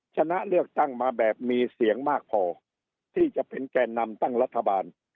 ชนะเลือกตั้งมาแบบมีเสียงมากพอที่จะเป็นแก่นำตั้งรัฐบาล